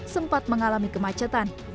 sempat mengalami kemacetan